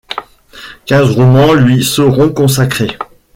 Quinze romans lui seront consacrés.